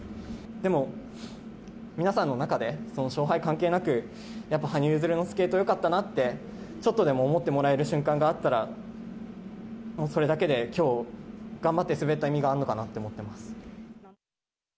でも、皆さんの中でその勝敗関係なく、やっぱ羽生結弦のスケートよかったなって、ちょっとでも思ってもらえる瞬間があったら、もうそれだけできょう、頑張って滑った意味があるのかなって思ってます。